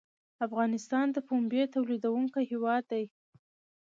افغانستان د پنبې تولیدونکی هیواد دی